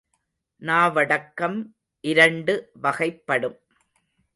நாவடக்கம் இரண்டு வகைப்படும்.